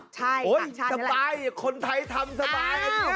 ใช่ทางชาตินี้แหละโอ้ยสไฟล์คนไทยทำสไฟล์